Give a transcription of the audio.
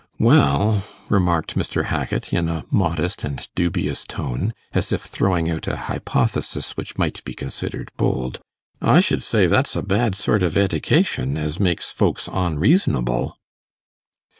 'Well,' remarked Mr. Hackit, in a modest and dubious tone, as if throwing out a hypothesis which might be considered bold, 'I should say that's a bad sort of eddication as makes folks onreasonable.